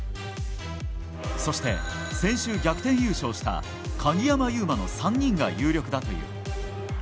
そして先週、逆転優勝した鍵山優真の３人が有力だという。